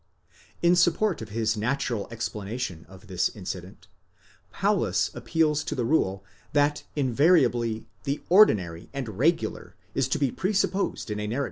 In support of his natural explanation of: this incident, Paulus appeals to the rule, that invariably the ordinary and regular is to be presupposed in a narra 1 Exeg.